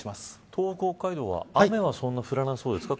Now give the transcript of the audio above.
東北と北海道は雨はそんなに降らなさそうですか。